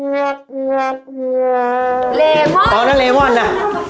เลมอนตอนนั้นเลมอนอ่ะ